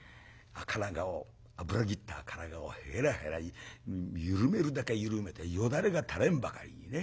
赤ら顔脂ぎった赤ら顔をへらへら緩めるだけ緩めてよだれがたれんばかりにね。